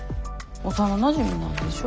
幼なじみなんでしょ？